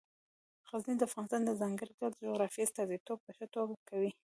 غزني د افغانستان د ځانګړي ډول جغرافیې استازیتوب په ښه توګه کوي.